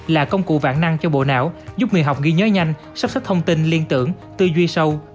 là công cụ vạn năng cho bộ não giúp người học ghi nhớ nhanh sắp xếp thông tin liên tưởng tư duy sâu